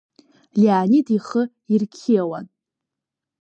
Леонид ихы ирқьиауан.